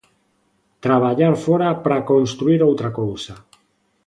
Traballar fóra para construír outra cousa.